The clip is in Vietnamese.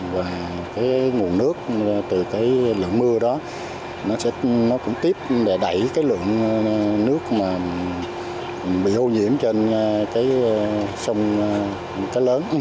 và nguồn nước từ lượng mưa đó cũng tiếp đẩy lượng nước bị hô nhiễm trên sông lớn